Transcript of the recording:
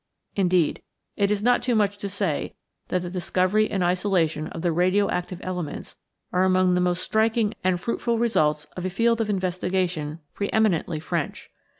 Indeed, it is not too much to say that the discovery and isolation of the radio active elements are among the most striking and fruitful results of a field of investigation preëminently French.